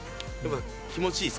気持ちいいっす。